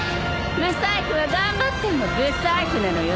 不細工は頑張っても不細工なのよ。